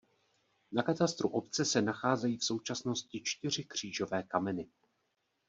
Na katastru obce se nacházejí v současnosti čtyři křížové kameny.